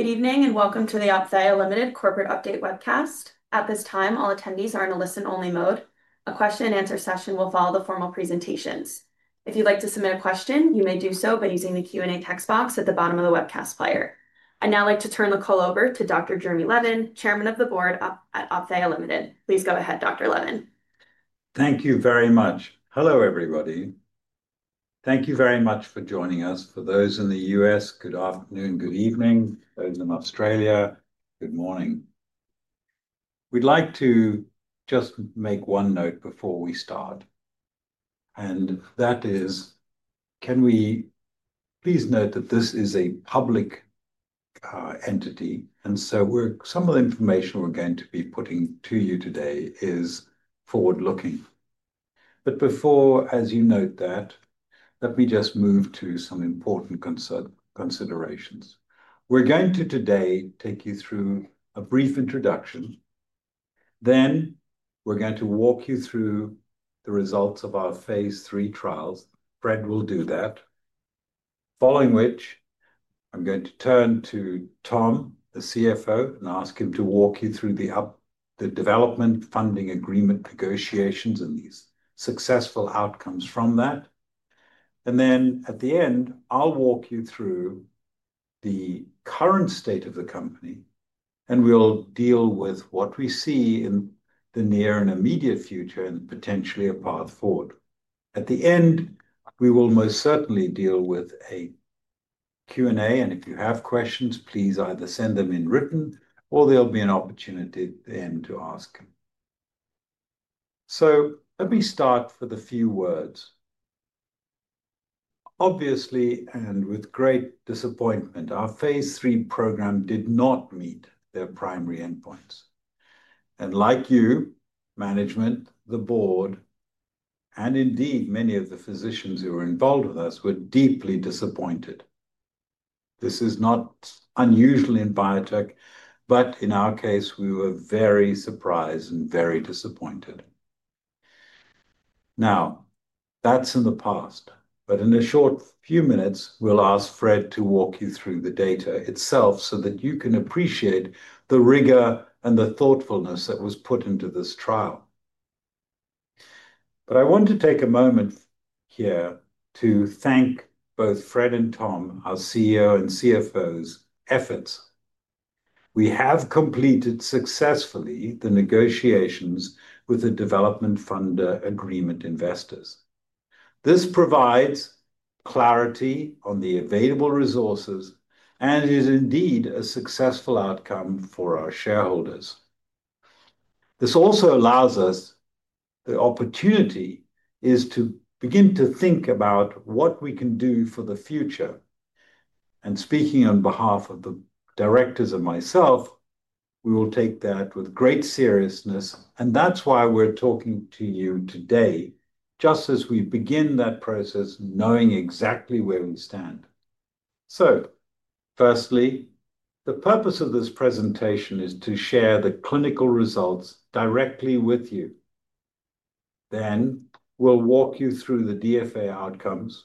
Good evening and welcome to the Opthea Limited Corporate Update Webcast. At this time, all attendees are in a listen-only mode. A question and answer session will follow the formal presentations. If you'd like to submit a question, you may do so by using the Q&A text box at the bottom of the webcast player. I'd now like to turn the call over to Dr. Jeremy Levin, Chairman of the Board at Opthea Limited. Please go ahead, Dr. Levin. Thank you very much. Hello, everybody. Thank you very much for joining us. For those in the U.S., good afternoon, good evening. For those in Australia, good morning. We'd like to just make one note before we start, and that is, can we please note that this is a public entity. Some of the information we're going to be putting to you today is forward-looking. Before you note that, let me just move to some important considerations. We're going to today take you through a brief introduction. Then we're going to walk you through the results of our phase III trials. Fred will do that. Following which, I'm going to turn to Tom, the CFO, and ask him to walk you through the Development Funding Agreement negotiations and the successful outcomes from that. At the end, I'll walk you through the current state of the company, and we'll deal with what we see in the near and immediate future and potentially a path forward. At the end, we will most certainly deal with a Q&A, and if you have questions, please either send them in written or there'll be an opportunity then to ask them. Let me start with a few words. Obviously, and with great disappointment, our phase III program did not meet their primary endpoints. Like you, management, the board, and indeed many of the physicians who were involved with us were deeply disappointed. This is not unusual in biotech, but in our case, we were very surprised and very disappointed. That's in the past. In a short few minutes, we'll ask Fred to walk you through the data itself so that you can appreciate the rigor and the thoughtfulness that was put into this trial. I want to take a moment here to thank both Fred and Tom, our CEO and CFO's efforts. We have completed successfully the negotiations with the Development Funding Agreement investors. This provides clarity on the available resources and is indeed a successful outcome for our shareholders. This also allows us the opportunity to begin to think about what we can do for the future. Speaking on behalf of the directors and myself, we will take that with great seriousness. That's why we're talking to you today, just as we begin that process, knowing exactly where we stand. Firstly, the purpose of this presentation is to share the clinical results directly with you. Then we'll walk you through the DFA outcomes.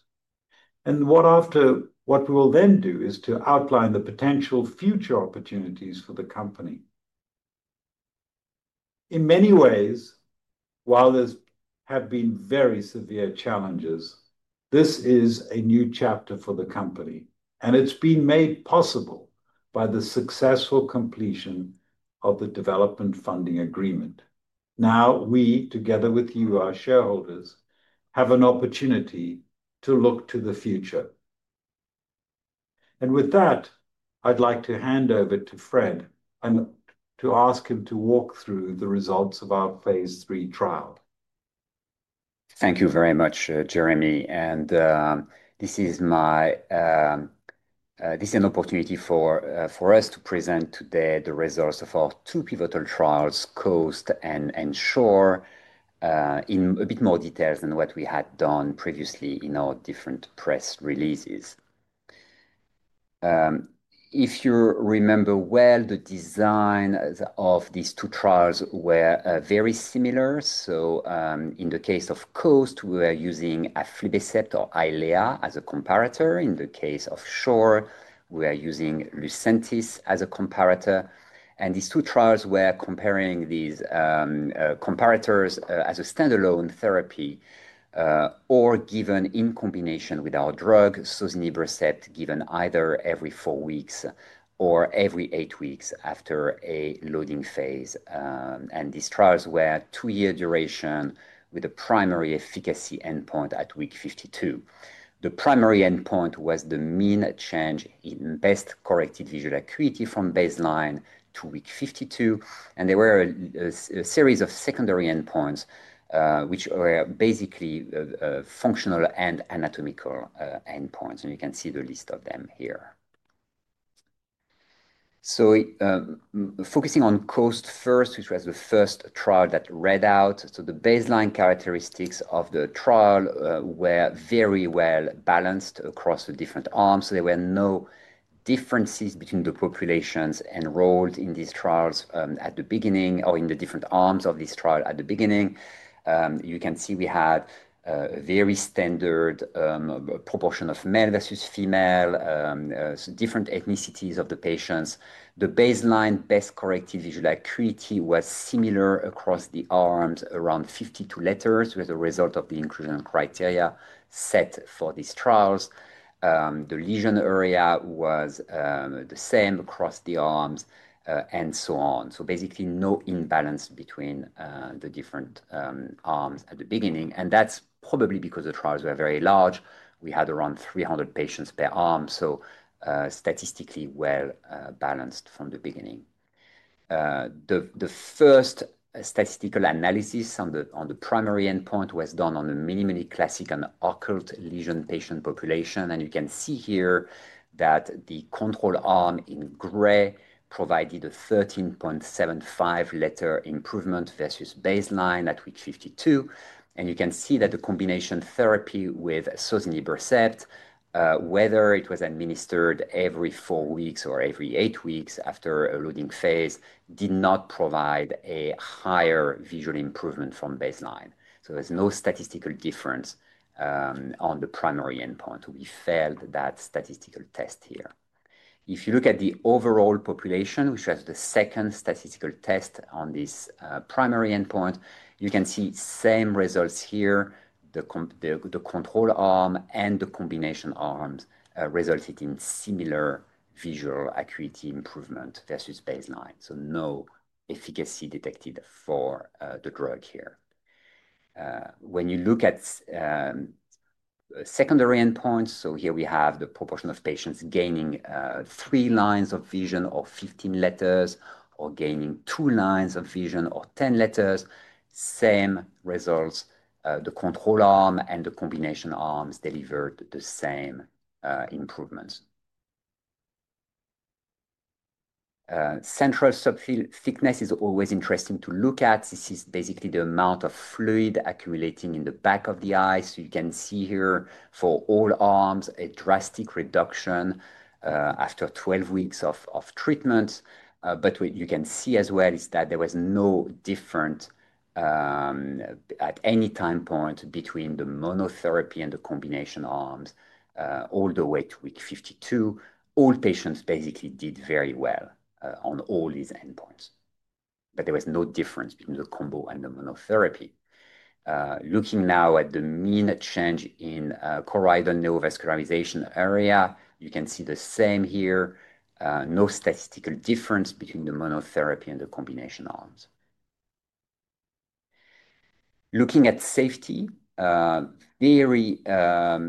What we will then do is to outline the potential future opportunities for the company. In many ways, while there have been very severe challenges, this is a new chapter for the company, and it's been made possible by the successful completion of the Development Funding Agreement. Now we, together with you, our shareholders, have an opportunity to look to the future. With that, I'd like to hand over to Fred and to ask him to walk through the results of our phase III trial. Thank you very much, Jeremy. This is an opportunity for us to present today the results of our two pivotal trials, COAST and ShORe, in a bit more detail than what we had done previously in our different press releases. If you remember well, the design of these two trials was very similar. In the case of COAST, we were using Aflibercept or Eylea as a comparator. In the case of ShORe, we are using Lucentis as a comparator. These two trials were comparing these comparators as a standalone therapy or given in combination with our drug, sozinibercept, given either every four weeks or every eight weeks after a loading phase. These trials were two-year duration with a primary efficacy endpoint at week 52. The primary endpoint was the mean change in best-corrected visual acuity from baseline to week 52. There were a series of secondary endpoints, which were basically functional and anatomical endpoints. You can see the list of them here. Focusing on COAST first, which was the first trial that read out. The baseline characteristics of the trial were very well balanced across the different arms. There were no differences between the populations enrolled in these trials at the beginning or in the different arms of this trial at the beginning. You can see we had a very standard proportion of male versus female, different ethnicities of the patients. The baseline best-corrected visual acuity was similar across the arms, around 52 letters, with a result of the inclusion criteria set for these trials. The lesion area was the same across the arms, and so on. Basically, no imbalance between the different arms at the beginning. That's probably because the trials were very large. We had around 300 patients per arm, so statistically well balanced from the beginning. The first statistical analysis on the primary endpoint was done on a minimally classic and occult lesion patient population. You can see here that the control arm in gray provided a 13.75 letter improvement versus baseline at week 52. The combination therapy with sozinibercept, whether it was administered every four weeks or every eight weeks after a loading phase, did not provide a higher visual improvement from baseline. There's no statistical difference on the primary endpoint. We failed that statistical test here. If you look at the overall population, which was the second statistical test on this primary endpoint, you can see same results here. The control arm and the combination arms resulted in similar visual acuity improvement versus baseline. No efficacy detected for the drug here. When you look at secondary endpoints, here we have the proportion of patients gaining three lines of vision or 15 letters, or gaining two lines of vision or 10 letters, same results. The control arm and the combination arms delivered the same improvements. Central Subfield Thickness is always interesting to look at. This is basically the amount of fluid accumulating in the back of the eye. You can see here for all arms a drastic reduction after 12 weeks of treatment. What you can see as well is that there was no difference at any time point between the monotherapy and the combination arms all the way to week 52. All patients basically did very well on all these endpoints. There was no difference between the combo and the monotherapy. Looking now at the mean change in Choroidal Neovascularization Area, you can see the same here. No statistical difference between the monotherapy and the combination arms. Looking at safety, very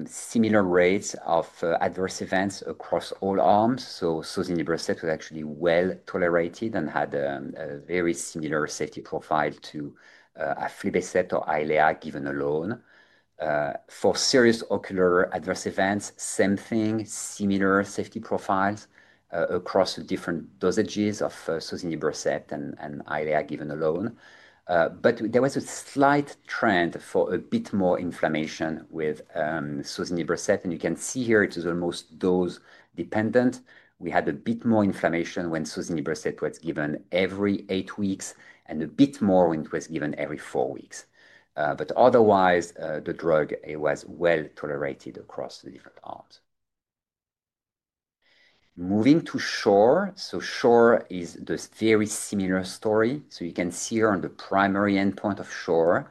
similar rates of adverse events across all arms. Sozinibercept was actually well tolerated and had a very similar safety profile to Aflibercept or Eylea given alone. For serious ocular adverse events, same thing, similar safety profiles across different dosages of sozinibercept and Eylea given alone. There was a slight trend for a bit more inflammation with sozinibercept. You can see here it was almost dose-dependent. We had a bit more inflammation when sozinibercept was given every eight weeks and a bit more when it was given every four weeks. Otherwise, the drug was well tolerated across the different arms. Moving to ShORe, ShORe is the very similar story. You can see here on the primary endpoint of ShORe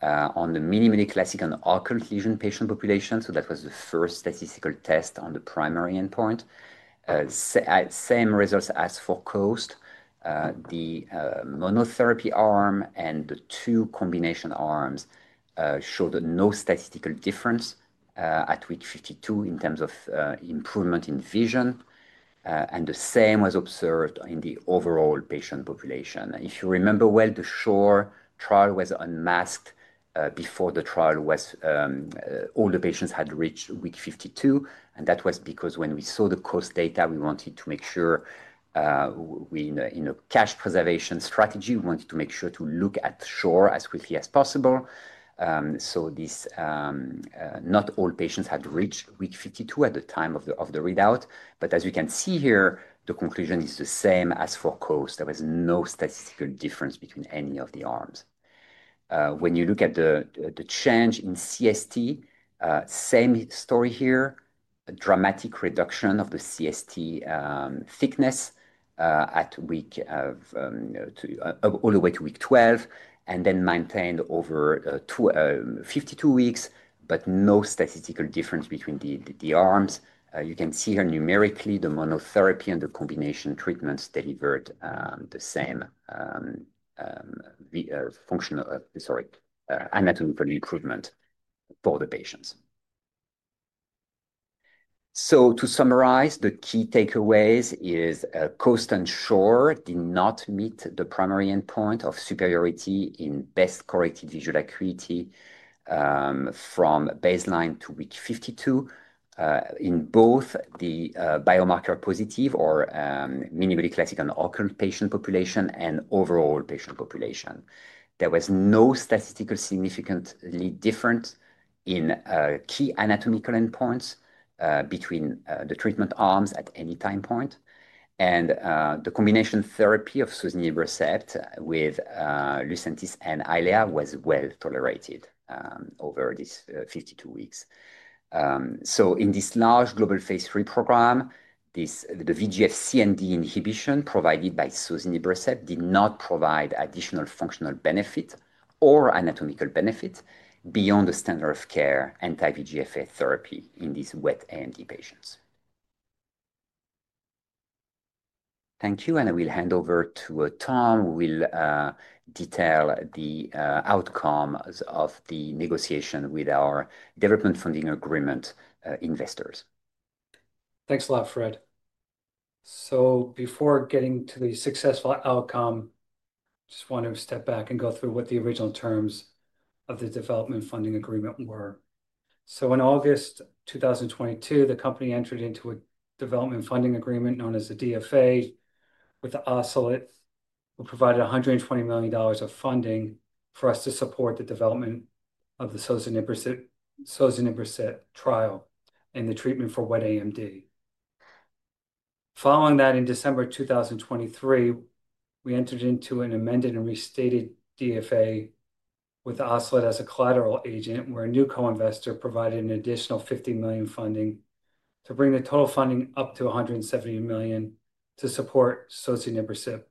on the minimally classic and occult lesion patient population. That was the first statistical test on the primary endpoint. Same results as for COAST. The monotherapy arm and the two combination arms showed no statistical difference at week 52 in terms of improvement in vision. The same was observed in the overall patient population. If you remember, the ShORe trial was unmasked before the trial was all the patients had reached week 52. That was because when we saw the COAST data, we wanted to make sure in a cash preservation strategy, we wanted to make sure to look at ShORe as quickly as possible. Not all patients had reached week 52 at the time of the readout. As you can see here, the conclusion is the same as for COAST. There was no statistical difference between any of the arms. When you look at the change in CST, same story here, a dramatic reduction of the CST thickness all the way to week 12 and then maintained over 52 weeks, but no statistical difference between the arms. You can see here numerically the monotherapy and the combination treatments delivered the same functional, sorry, anatomical improvement for the patients. To summarize, the key takeaways are COAST and ShORe did not meet the primary endpoint of superiority in best-corrected visual acuity from baseline to week 52 in both the biomarker positive or minimally classic and occult patient population and overall patient population. There was no statistically significant difference in key anatomical endpoints between the treatment arms at any time point. The combination therapy of sozinibercept with Lucentis and Eylea was well tolerated over these 52 weeks. In this large global phase III program, the VEGFC and VEGFD inhibition provided by sozinibercept did not provide additional functional benefit or anatomical benefit beyond the standard of care anti-VEGF therapy in these wet AMD patients. Thank you. I will hand over to Tom, who will detail the outcomes of the negotiation with our Development Funding Agreement investors. Thanks a lot, Fred. Before getting to the successful outcome, I just want to step back and go through what the original terms of the Development Funding Agreement were. In August 2022, the company entered into a Development Funding Agreement known as the DFA with Ocelot, who provided $120 million of funding for us to support the development of the sozinibercept trial and the treatment for wet AMD. Following that, in December 2023, we entered into an amended and restated DFA with Ocelot as a collateral agent, where a new co-investor provided an additional $50 million funding to bring the total funding up to $170 million to support sozinibercept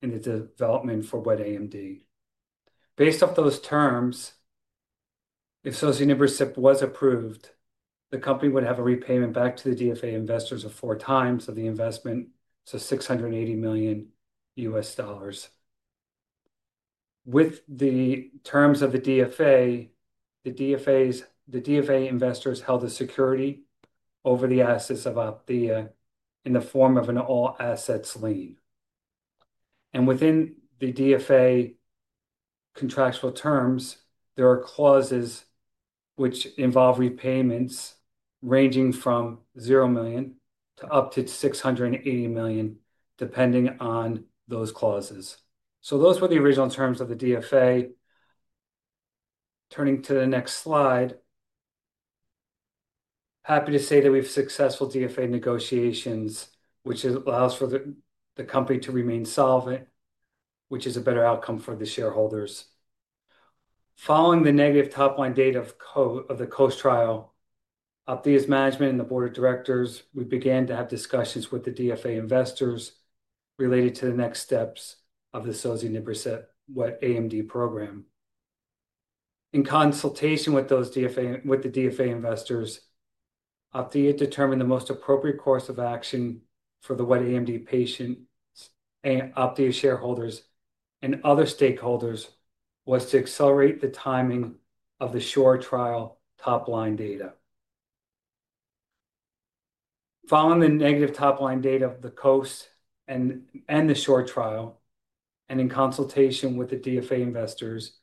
in the development for wet AMD. Based off those terms, if sozinibercept was approved, the company would have a repayment back to the DFA investors of 4x the investment, so $680 million US dollars. With the terms of the DFA, the DFA investors held a security over the assets of Opthea in the form of an all-assets lien. Within the DFA contractual terms, there are clauses which involve repayments ranging from $0 million up to $680 million, depending on those clauses. Those were the original terms of the DFA. Turning to the next slide, happy to say that we have successful DFA negotiations, which allows for the company to remain solvent, which is a better outcome for the shareholders. Following the negative top-line data of the COAST trial, Opthea's management and the Board of Directors began to have discussions with the DFA investors related to the next steps of the sozinibercept wet AMD program. In consultation with the DFA investors, Opthea determined the most appropriate course of action for the wet AMD patients, Opthea shareholders, and other stakeholders was to accelerate the timing of the ShORe trial top-line data. Following the negative top-line data of the COAST and the ShORe trial, and in consultation with the DFA investors,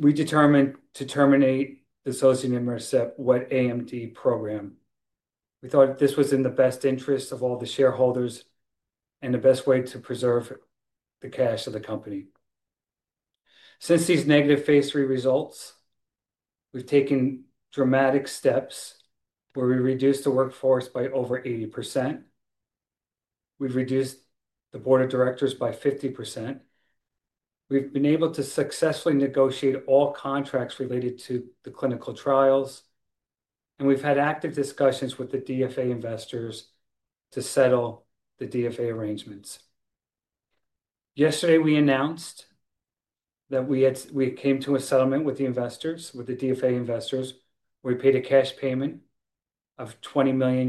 we determined to terminate the sozinibercept wet AMD program. We thought this was in the best interests of all the shareholders and the best way to preserve the cash of the company. Since these negative phase III results, we've taken dramatic steps where we reduced the workforce by over 80%. We've reduced the Board of Directors by 50%. We've been able to successfully negotiate all contracts related to the clinical trials, and we've had active discussions with the DFA investors to settle the DFA arrangements. Yesterday, we announced that we came to a settlement with the investors, with the DFA investors, where we paid a cash payment of $20 million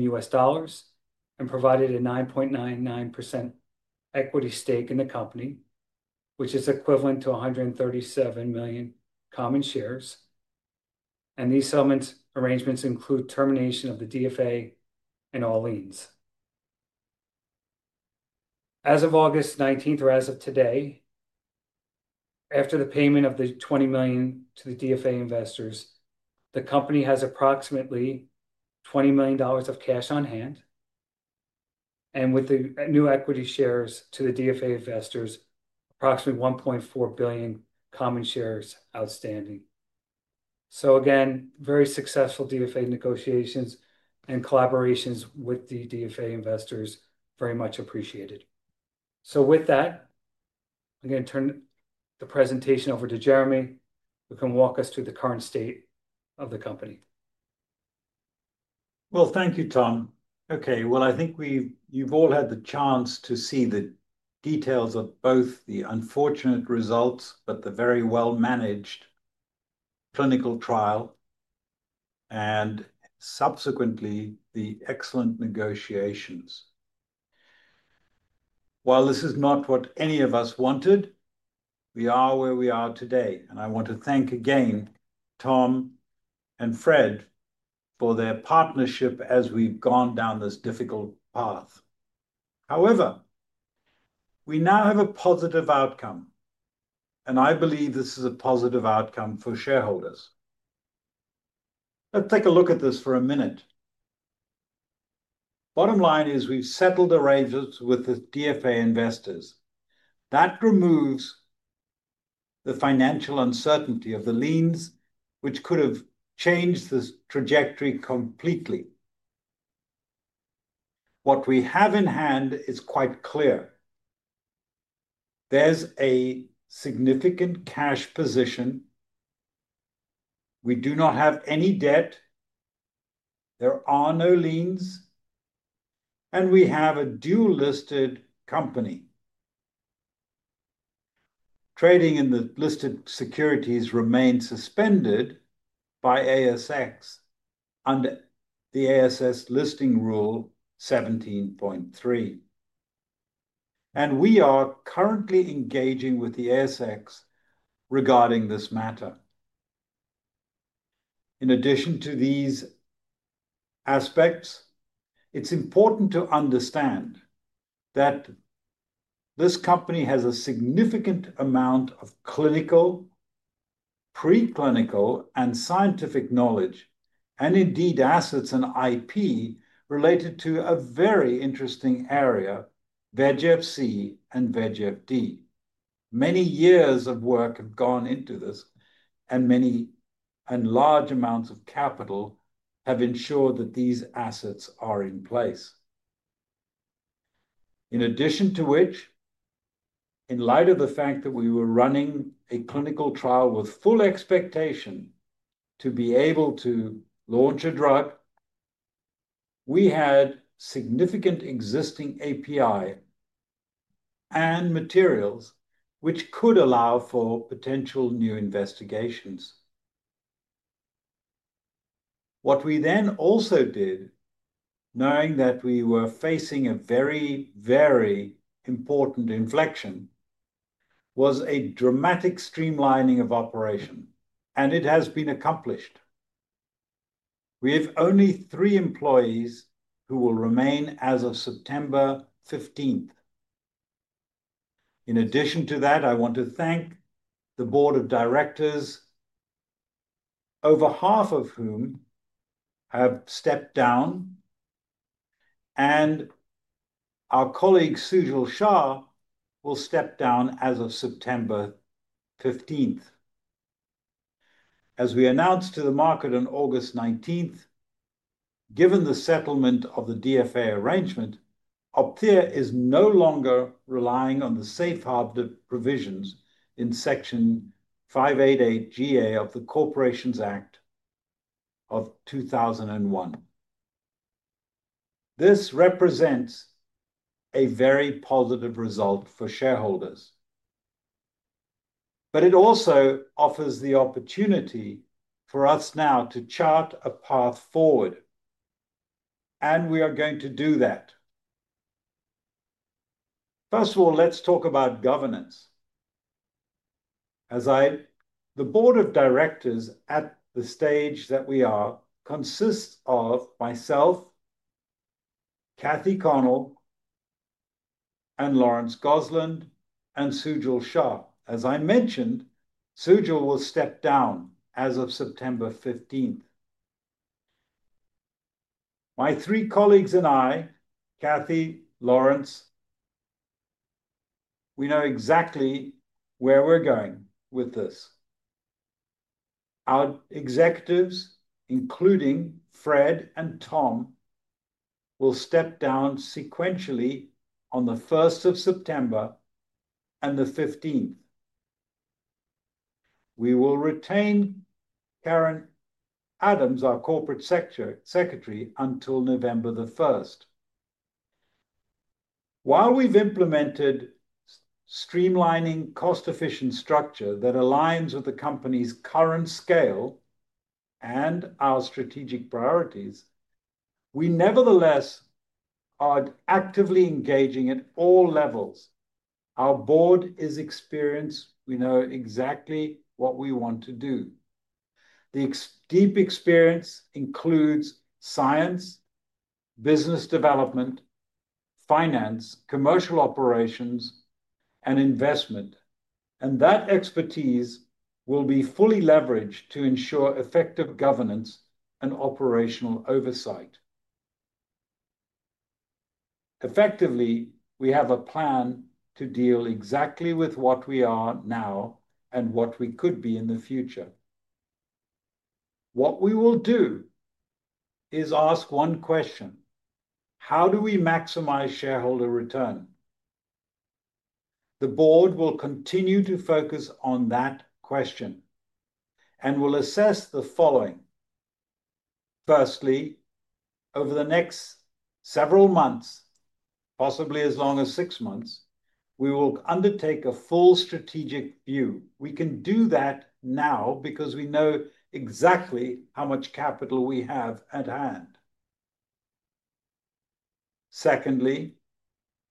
and provided a 9.99% equity stake in the company, which is equivalent to 137 million common shares. These settlement arrangements include termination of the DFA and all liens. As of August 19th or as of today, after the payment of the $20 million to the DFA investors, the company has approximately $20 million of cash on hand. With the new equity shares to the DFA investors, approximately 1.4 billion common shares outstanding. Very successful DFA negotiations and collaborations with the DFA investors, very much appreciated. With that, I'm going to turn the presentation over to Jeremy, who can walk us through the current state of the company. Thank you, Tom. I think you've all had the chance to see the details of both the unfortunate results, but the very well-managed clinical trial, and subsequently, the excellent negotiations. While this is not what any of us wanted, we are where we are today. I want to thank again Tom and Fred for their partnership as we've gone down this difficult path. However, we now have a positive outcome, and I believe this is a positive outcome for shareholders. Let's take a look at this for a minute. Bottom line is we've settled arrangements with the DFA investors. That removes the financial uncertainty of the liens, which could have changed this trajectory completely. What we have in hand is quite clear. There's a significant cash position. We do not have any debt. There are no liens, and we have a dual-listed company. Trading in the listed securities remains suspended by ASX under the ASX listing rule 17.3. We are currently engaging with the ASX regarding this matter. In addition to these aspects, it's important to understand that this company has a significant amount of clinical, preclinical, and scientific knowledge, and indeed assets and IP related to a very interesting area, VEGFC and VEGFD. Many years of work have gone into this, and many and large amounts of capital have ensured that these assets are in place. In addition to which, in light of the fact that we were running a clinical trial with full expectation to be able to launch a drug, we had significant existing API and materials which could allow for potential new investigations. What we then also did, knowing that we were facing a very, very important inflection, was a dramatic streamlining of operations, and it has been accomplished. We have only three employees who will remain as of September 15th. In addition to that, I want to thank the board of directors, over half of whom have stepped down, and our colleague Sujal Shah will step down as of September 15th. As we announced to the market on August 19th, given the settlement of the DFA arrangement, Opthea is no longer relying on the safe harbors of provisions in section 588(g)(A) of the Corporations Act of 2001. This represents a very positive result for shareholders. It also offers the opportunity for us now to chart a path forward. We are going to do that. First of all, let's talk about governance. The board of directors at the stage that we are consists of myself, Kathy Connell, Lawrence Gosland, and Sujal Shah. As I mentioned, Sujal will step down as of September 15th. My three colleagues and I, Kathy, Lawrence, we know exactly where we're going with this. Our executives, including Fred and Tom, will step down sequentially on the 1st of September and the 15th. We will retain Karen Adams, our Corporate Secretary, until November 1st. While we've implemented a streamlining, cost-efficient structure that aligns with the company's current scale and our strategic priorities, we nevertheless are actively engaging at all levels. Our board is experienced. We know exactly what we want to do. The deep experience includes science, business development, finance, commercial operations, and investment. That expertise will be fully leveraged to ensure effective governance and operational oversight. Effectively, we have a plan to deal exactly with what we are now and what we could be in the future. What we will do is ask one question: how do we maximize shareholder return? The board will continue to focus on that question and will assess the following. Firstly, over the next several months, possibly as long as six months, we will undertake a full strategic view. We can do that now because we know exactly how much capital we have at hand. Secondly,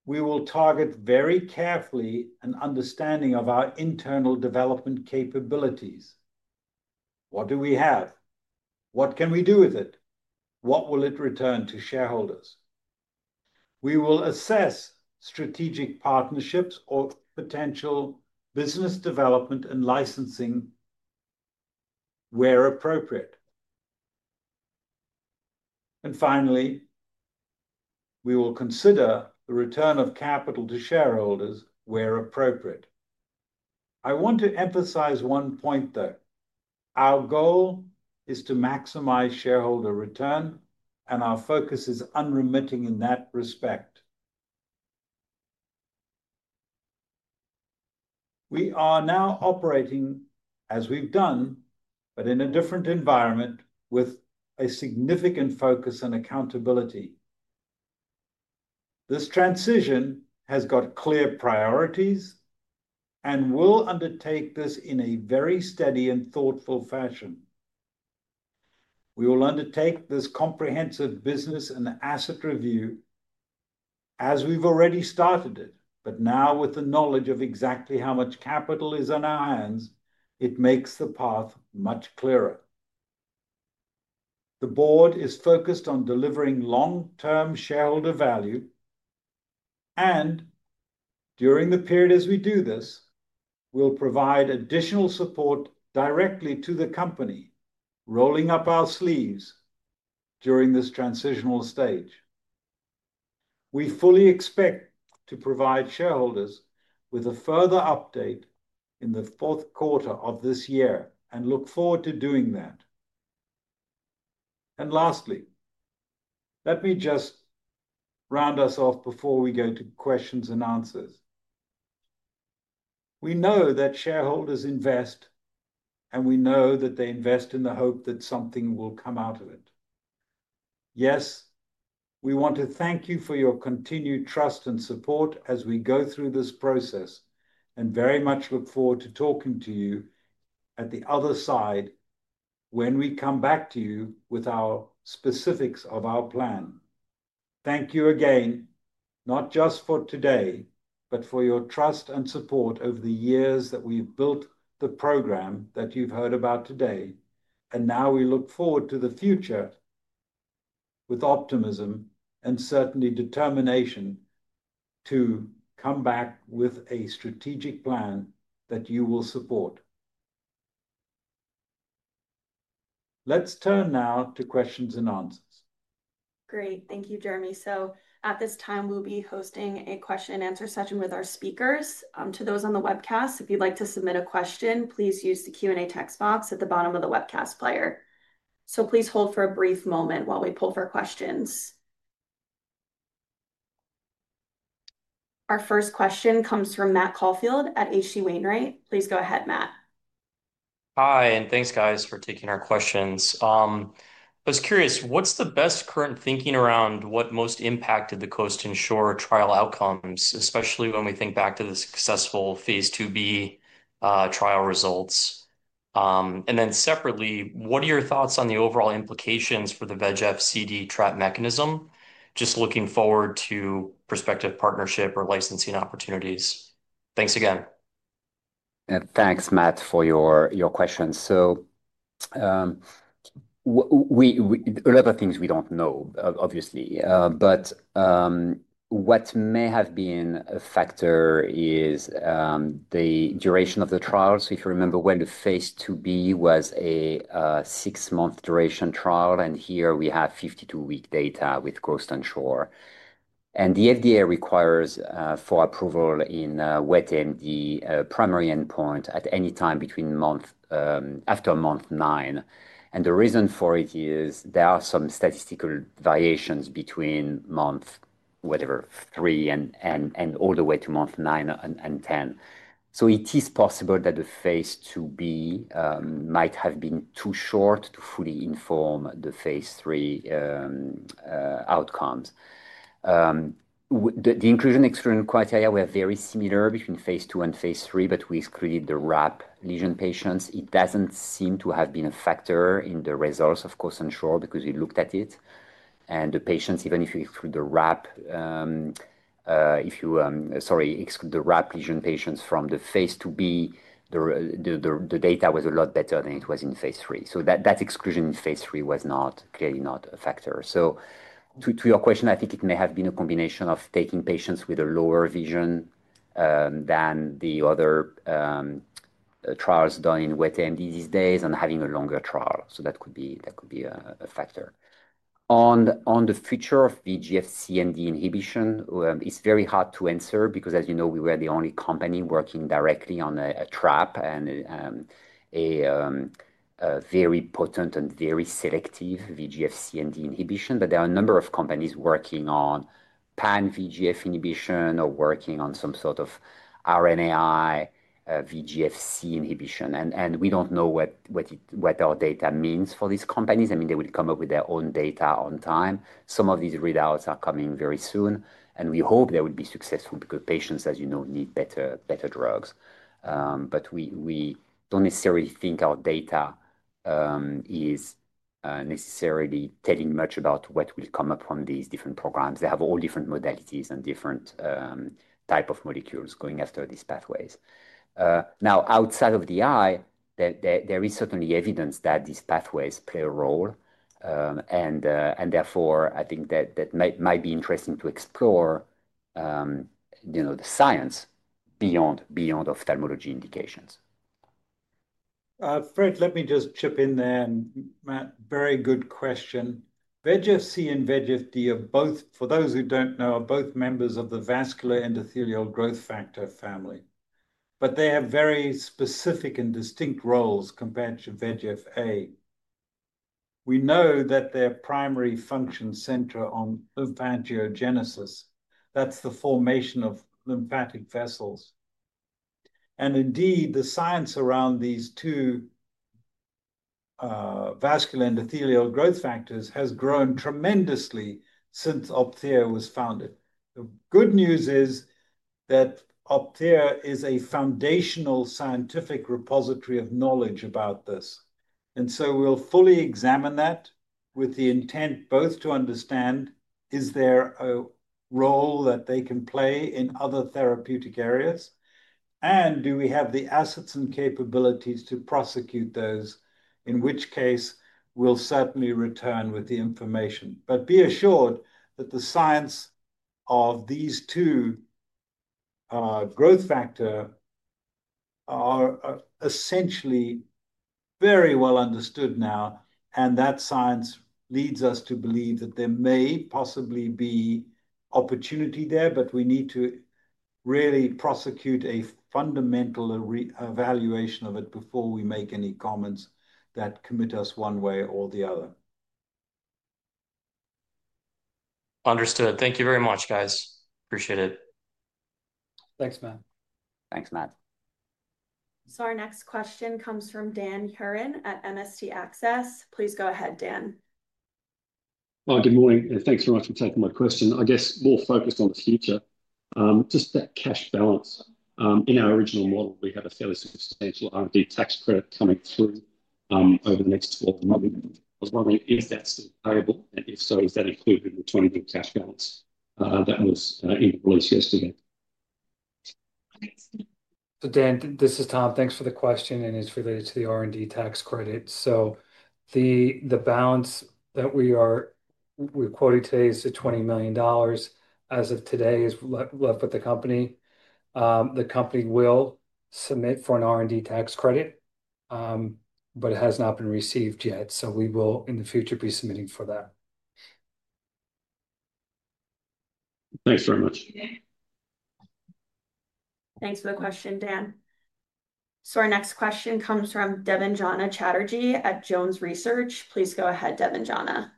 we will target very carefully an understanding of our internal development capabilities. What do we have? What can we do with it? What will it return to shareholders? We will assess strategic partnerships or potential business development and licensing where appropriate. Finally, we will consider the return of capital to shareholders where appropriate. I want to emphasize one point, though. Our goal is to maximize shareholder return, and our focus is unremitting in that respect. We are now operating, as we've done, but in a different environment with a significant focus on accountability. This transition has got clear priorities and will undertake this in a very steady and thoughtful fashion. We will undertake this comprehensive business and asset review as we've already started it. Now, with the knowledge of exactly how much capital is on our hands, it makes the path much clearer. The board is focused on delivering long-term shareholder value. During the period as we do this, we'll provide additional support directly to the company, rolling up our sleeves during this transitional stage. We fully expect to provide shareholders with a further update in the fourth quarter of this year and look forward to doing that. Lastly, let me just round us off before we go to questions and answers. We know that shareholders invest, and we know that they invest in the hope that something will come out of it. Yes, we want to thank you for your continued trust and support as we go through this process and very much look forward to talking to you at the other side when we come back to you with the specifics of our plan. Thank you again, not just for today, but for your trust and support over the years that we've built the program that you've heard about today. We look forward to the future with optimism and certainly determination to come back with a strategic plan that you will support. Let's turn now to questions and answers. Great. Thank you, Jeremy. At this time, we'll be hosting a question and answer session with our speakers. To those on the webcast, if you'd like to submit a question, please use the Q&A text box at the bottom of the webcast player. Please hold for a brief moment while we pull for questions. Our first question comes from Matt Caulfield at H.C. Wainwright. Please go ahead, Matt. Hi, and thanks, guys, for taking our questions. I was curious, what's the best current thinking around what most impacted the COAST, ShORe trial outcomes, especially when we think back to the successful phase II-B trial results? Separately, what are your thoughts on the overall implications for the VEGF-C/D trap mechanism? Just looking forward to prospective partnership or licensing opportunities. Thanks again. Thanks, Matt, for your question. A lot of things we don't know, obviously. What may have been a factor is the duration of the trial. If you remember when the phase II-B was a six-month duration trial, and here we have 52-week data with COAST and ShORe. The FDA requires approval in wet AMD primary endpoint at any time between month after month nine. The reason for it is there are some statistical variations between month, whatever, three and all the way to month nine and 10. It is possible that the phase II-B might have been too short to fully inform the phase III outcomes. The inclusion criteria were very similar between phase II and phase III, but we excluded the RAP lesion patients. It doesn't seem to have been a factor in the results of COAST and ShORe because we looked at it. The patients, even if you exclude the RAP, if you, sorry, exclude the RAP lesion patients from the phase II-B, the data was a lot better than it was in phase III. That exclusion in phase III was not clearly not a factor. To your question, I think it may have been a combination of taking patients with a lower vision than the other trials done in wet AMD these days and having a longer trial. That could be a factor. On the future of VEGFC and inhibition, it's very hard to answer because, as you know, we were the only company working directly on a TRAP and a very potent and very selective VEGFC inhibition. There are a number of companies working on pan-VEGF inhibition or working on some sort of RNAi VEGFC inhibition. We don't know what our data means for these companies. I mean, they will come up with their own data on time. Some of these readouts are coming very soon. We hope they will be successful because patients, as you know, need better drugs. We don't necessarily think our data is necessarily telling much about what will come up from these different programs. They have all different modalities and different types of molecules going after these pathways. Outside of the eye, there is certainly evidence that these pathways play a role. Therefore, I think that might be interesting to explore the science beyond ophthalmology indications. Fred, let me just chip in there. Matt, very good question. VEGFC and VEGFD are both, for those who don't know, both members of the vascular endothelial growth factor family. They have very specific and distinct roles compared to VEGFA. We know that their primary functions center on lymphangiogenesis, which is the formation of lymphatic vessels. The science around these two vascular endothelial growth factors has grown tremendously since Opthea was founded. The good news is that Opthea is a foundational scientific repository of knowledge about this. We will fully examine that with the intent both to understand if there is a role that they can play in other therapeutic areas and if we have the assets and capabilities to prosecute those. In that case, we will certainly return with the information. Be assured that the science of these two growth factors is essentially very well understood now. That science leads us to believe that there may possibly be opportunity there, but we need to really prosecute a fundamental evaluation of it before we make any comments that commit us one way or the other. Understood. Thank you very much, guys. Appreciate it. Thanks, Matt. Thanks, Matt. Our next question comes from Dan Hurren at MST Access. Please go ahead, Dan. Good morning. Thanks very much for taking my question. I guess more focused on the future, just the cash balance. In our original model, we had a fairly substantial R&D tax credit coming through over the next four months. I was wondering if that's still variable. If so, does that include the 20% cash balance that was in place yesterday? Dan, this is Tom. Thanks for the question. It's related to the R&D tax credit. The balance that we are quoted today is the $20 million as of today is left with the company. The company will submit for an R&D tax credit, but it has not been received yet. We will, in the future, be submitting for that. Thanks very much. Thanks for the question, Dan. Our next question comes from Debanjana Chatterjee at Jones Research. Please go ahead, Debanjana.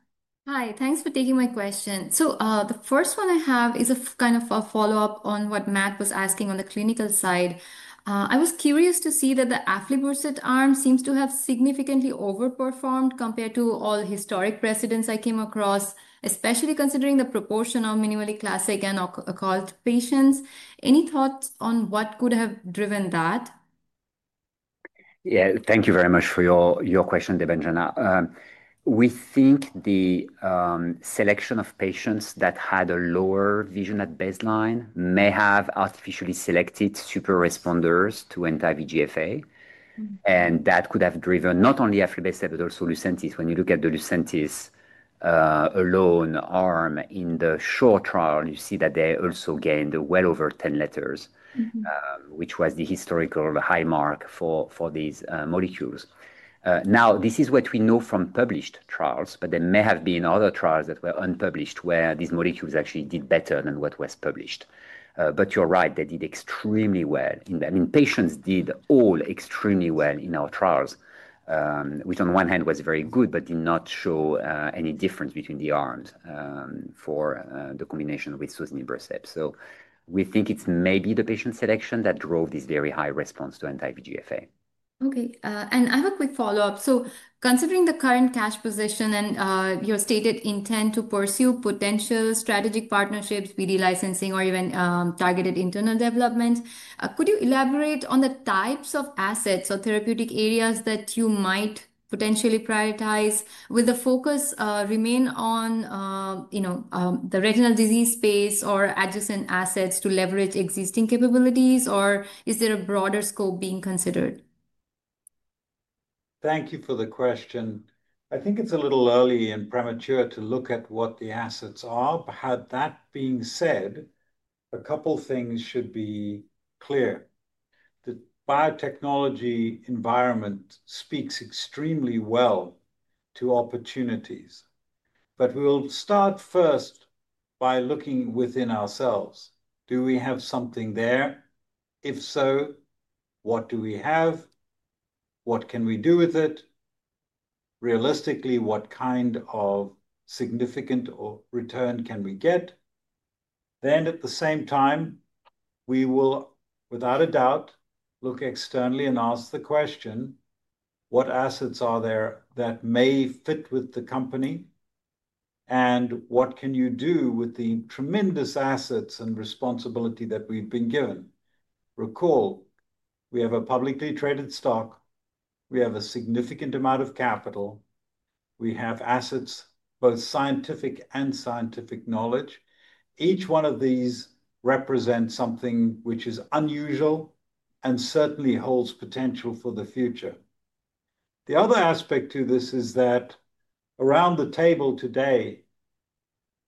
Hi. Thanks for taking my question. The first one I have is a kind of a follow-up on what Matt was asking on the clinical side. I was curious to see that the Aflibercept arm seems to have significantly overperformed compared to all historic precedents I came across, especially considering the proportion of minimally classic and occult patients. Any thoughts on what could have driven that? Yeah, thank you very much for your question, Debanjana. We think the selection of patients that had a lower vision at baseline may have artificially selected super responders to anti-VEGFA. That could have driven not only Aflibercept, but also Lucentis. When you look at the Lucentis alone arm in the short trial, you see that they also gained well over 10 letters, which was the historical high mark for these molecules. This is what we know from published trials, but there may have been other trials that were unpublished where these molecules actually did better than what was published. You're right, they did extremely well. I mean, patients did all extremely well in our trials, which on one hand was very good, but did not show any difference between the arms for the combination with sozinibercept. We think it's maybe the patient selection that drove this very high response to anti-VEGFA. Okay. I have a quick follow-up. Considering the current cash position and your stated intent to pursue potential strategic partnerships, VD licensing, or even targeted internal development, could you elaborate on the types of assets or therapeutic areas that you might potentially prioritize? Will the focus remain on the retinal disease space or adjacent assets to leverage existing capabilities, or is there a broader scope being considered? Thank you for the question. I think it's a little early and premature to look at what the assets are. That being said, a couple of things should be clear. The biotechnology environment speaks extremely well to opportunities. We will start first by looking within ourselves. Do we have something there? If so, what do we have? What can we do with it? Realistically, what kind of significant return can we get? At the same time, we will, without a doubt, look externally and ask the question, what assets are there that may fit with the company? What can you do with the tremendous assets and responsibility that we've been given? Recall, we have a publicly traded stock. We have a significant amount of capital. We have assets, both scientific and scientific knowledge. Each one of these represents something which is unusual and certainly holds potential for the future. The other aspect to this is that around the table today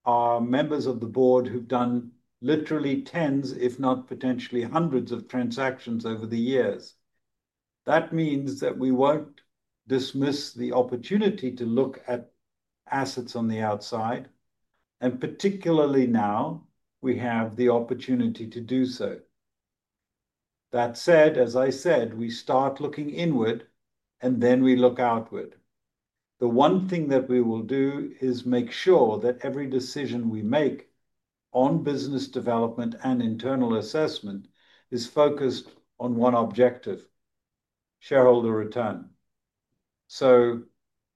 are members of the board who've done literally tens, if not potentially hundreds, of transactions over the years. That means we won't dismiss the opportunity to look at assets on the outside. Particularly now, we have the opportunity to do so. As I said, we start looking inward and then we look outward. The one thing that we will do is make sure that every decision we make on business development and internal assessment is focused on one objective, shareholder return.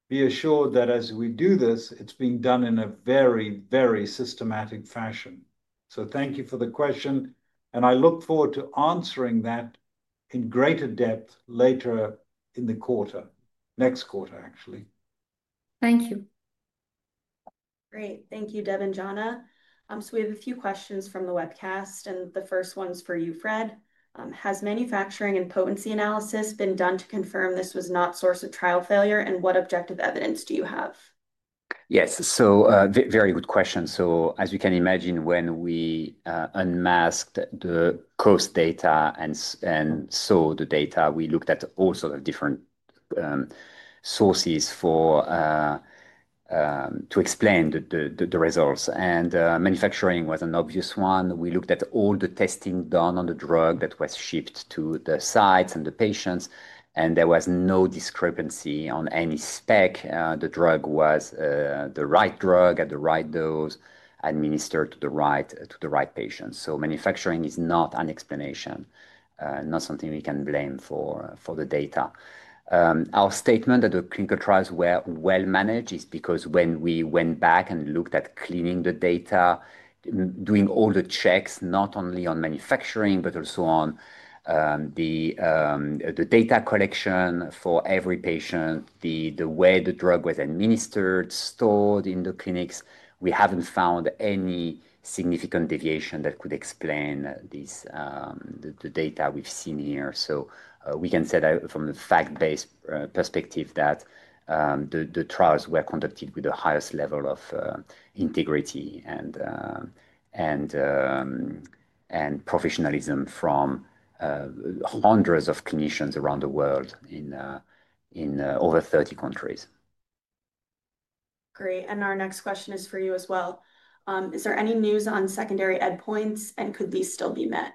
Be assured that as we do this, it's being done in a very, very systematic fashion. Thank you for the question. I look forward to answering that in greater depth later in the quarter, next quarter, actually. Thank you. Great. Thank you, Debanjana. We have a few questions from the webcast. The first one's for you, Fred. Has manufacturing and potency analysis been done to confirm this was not a source of trial failure? What objective evidence do you have? Yes. Very good question. As you can imagine, when we unmasked the COAST data and saw the data, we looked at all sorts of different sources to explain the results. Manufacturing was an obvious one. We looked at all the testing done on the drug that was shipped to the sites and the patients. There was no discrepancy on any spec. The drug was the right drug at the right dose administered to the right patients. Manufacturing is not an explanation, not something we can blame for the data. Our statement that the clinical trials were well managed is because when we went back and looked at cleaning the data, doing all the checks, not only on manufacturing, but also on the data collection for every patient, the way the drug was administered, stored in the clinics, we haven't found any significant deviation that could explain the data we've seen here. We can say that from a fact-based perspective that the trials were conducted with the highest level of integrity and professionalism from hundreds of clinicians around the world in over 30 countries. Great. Our next question is for you as well. Is there any news on secondary endpoints, and could these still be met?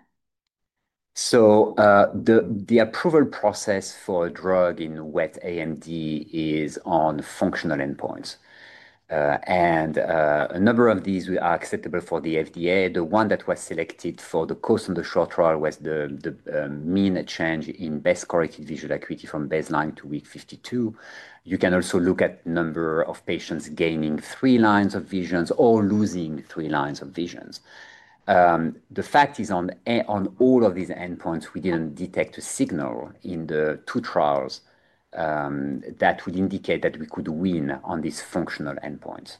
The approval process for a drug in wet AMD is on functional endpoints. A number of these are acceptable for the FDA. The one that was selected for the COAST and ShORe trial was the mean change in best-corrected visual acuity from baseline to week 52. You can also look at the number of patients gaining three lines of vision or losing three lines of vision. The fact is on all of these endpoints, we didn't detect a signal in the two trials that would indicate that we could win on these functional endpoints.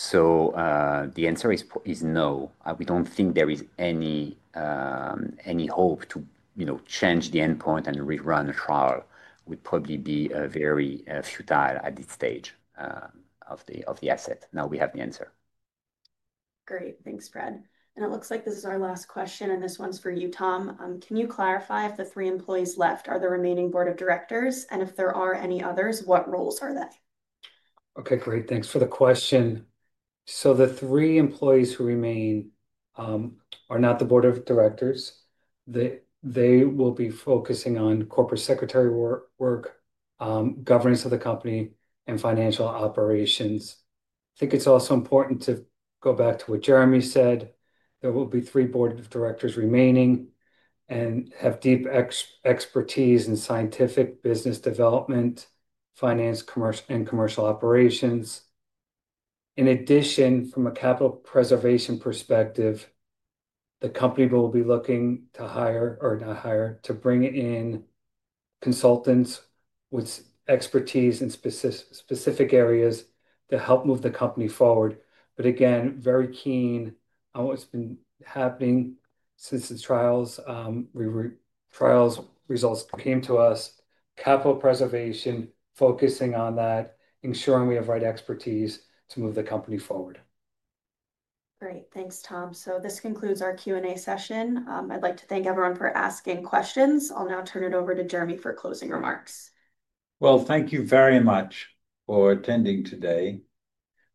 The answer is no. We don't think there is any hope to change the endpoint and rerun a trial. It would probably be very futile at this stage of the asset. Now we have the answer. Great. Thanks, Fred. It looks like this is our last question. This one's for you, Tom. Can you clarify if the three employees left are the remaining Board of Directors? If there are any others, what roles are left? Okay, great. Thanks for the question. The three employees who remain are not the Board of Directors. They will be focusing on Corporate Secretary work, governance of the company, and financial operations. I think it's also important to go back to what Jeremy said. There will be three Board of Directors remaining and have deep expertise in scientific business development, finance, and commercial operations. In addition, from a capital preservation perspective, the company will be looking to hire or not hire, to bring in consultants with expertise in specific areas to help move the company forward. Again, very keen on what's been happening since the trial results came to us. Capital preservation, focusing on that, ensuring we have the right expertise to move the company forward. Great. Thanks, Tom. This concludes our Q&A session. I'd like to thank everyone for asking questions. I'll now turn it over to Jeremy for closing remarks. Thank you very much for attending today.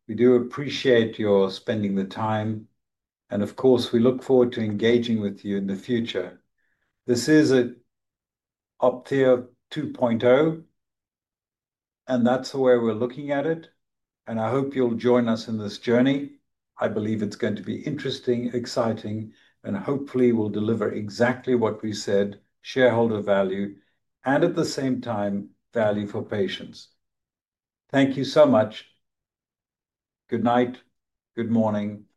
We do appreciate your spending the time. Of course, we look forward to engaging with you in the future. This is Opthea 2.0, and that's the way we're looking at it. I hope you'll join us in this journey. I believe it's going to be interesting, exciting, and hopefully we'll deliver exactly what we said, shareholder value, and at the same time, value for patients. Thank you so much. Good night. Good morning. Goodbye.